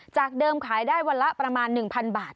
จากเดิมขายได้วันละประมาณ๑๐๐บาท